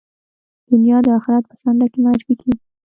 دنیا د آخرت په څنډه کې معرفي کېږي.